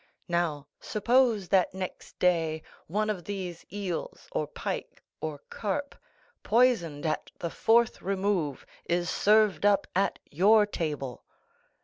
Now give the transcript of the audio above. Now suppose that next day, one of these eels, or pike, or carp, poisoned at the fourth remove, is served up at your table.